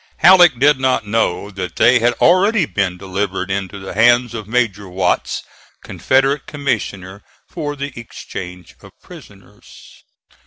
Halleck did not know that they had already been delivered into the hands of Major Watts, Confederate commissioner for the exchange of prisoners.